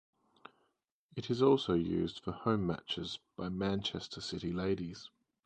It is also used for home matches by Manchester City Ladies.